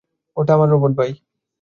ওটা আমার রোবট ভাই।